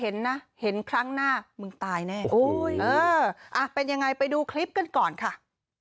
ผมเรียกมึงออกมามึงไม่ออกมา